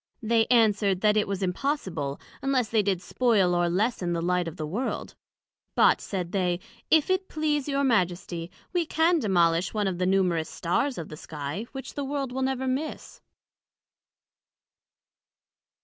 They answered, That it was impossible, unless they did spoil or lessen the light of the World: but, said they, if it please your Majesty, we can demolish one of the numerous Stars of the Sky, which the World will never miss.